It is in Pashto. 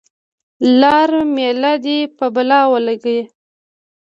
لار میله دې په بلا ولګي.